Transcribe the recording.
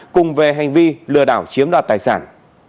cùng về hành vi lừa đảo chiếm đoạt tài sản